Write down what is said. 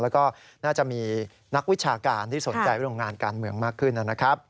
แล้วก็น่าจะมีนักวิชาการที่สนใจเรื่องงานการเมืองมากขึ้นนะครับ